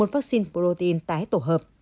một vaccine protein tái tổ hợp